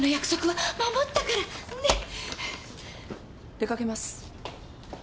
出かけます。